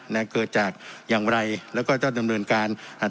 นะเกิดจากอย่างไรแล้วก็จะดำเนินการอ่า